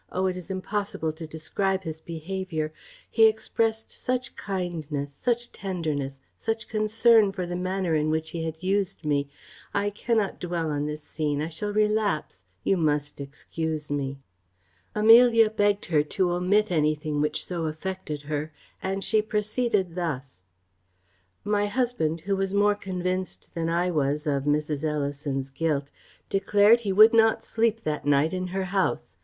it is impossible to describe his behaviour he exprest such kindness, such tenderness, such concern for the manner in which he had used me I cannot dwell on this scene I shall relapse you must excuse me." Amelia begged her to omit anything which so affected her; and she proceeded thus: "My husband, who was more convinced than I was of Mrs. Ellison's guilt, declared he would not sleep that night in her house.